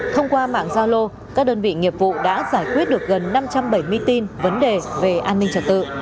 thông qua mạng gia lô các đơn vị nghiệp vụ đã giải quyết được gần năm trăm bảy mươi tin vấn đề về an ninh trật tự